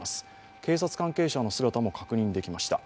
警察関係者の姿も確認できました。